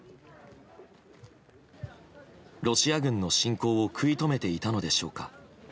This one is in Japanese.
ロシア軍の侵攻を食い止めていたのでしょうか。